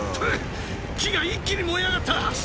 木が一気に燃え上がった。